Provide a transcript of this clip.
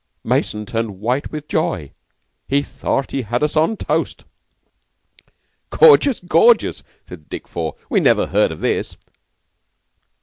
Mason turned white with joy. He thought he had us on toast." "Gorgeous! Gorgeous!" said Dick Four. "We never heard of this."